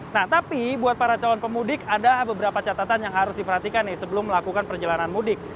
nah tapi buat para calon pemudik ada beberapa catatan yang harus diperhatikan nih sebelum melakukan perjalanan mudik